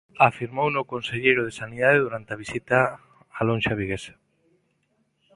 Afirmouno o conselleiro de Sanidade durante a visita á lonxa viguesa.